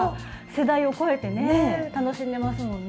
世代を超えてね楽しんでますもんね。